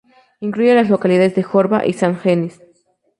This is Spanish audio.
Incluye las localidades de Jorba y Sant Genís.